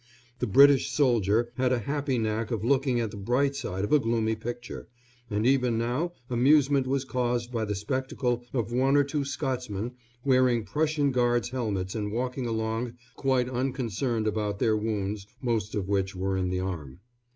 The British soldier has a happy knack of looking at the bright side of a gloomy picture, and even now amusement was caused by the spectacle of one or two Scotsmen wearing Prussian Guards' helmets and walking along quite unconcerned about their wounds, most of which were in the arm.